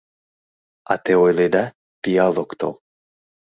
А те ойледа, пиал ок тол.